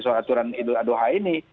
soal aturan idul adha ini